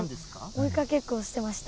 追いかけっこをしてました。